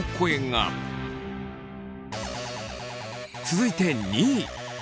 続いて２位。